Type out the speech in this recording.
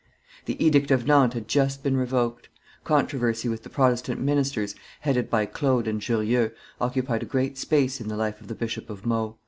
The Edict of Nantes had just been revoked; controversy with the Protestant ministers, headed by Claude and Jurieu, occupied a great space in the life of the Bishop of Meaux.